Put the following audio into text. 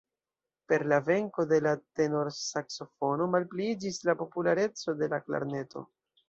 Per la venko de la tenorsaksofono malpliiĝis la populareco de la klarneto.